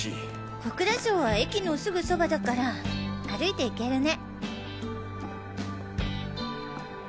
小倉城は駅のすぐそばだから歩いて行けるね。